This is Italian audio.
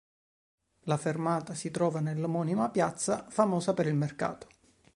La fermata si trova nell’omonima piazza famosa per il mercato.